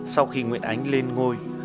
sau khi nguyễn ánh lên ngôi